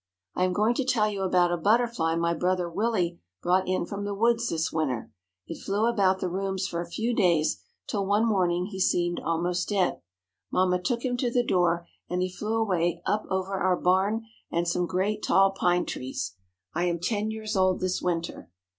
I am going to tell you about a butterfly my brother Willie brought in from the woods this winter. It flew about the rooms for a few days, till one morning he seemed almost dead. Mamma took him to the door, and he flew away up over our barn and some great tall pine trees. I am ten years old this winter.